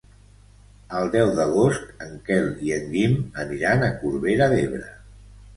El deu d'agost en Quel i en Guim aniran a Corbera d'Ebre.